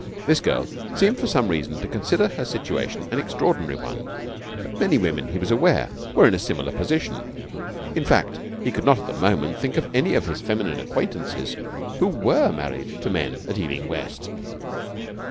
This girl seemed for some reason to consider her situation an extraordinary one, but many women, he was aware, were in a similar position. In fact, he could not at the moment think of any of his feminine acquaintances who were married to men at Ealing West.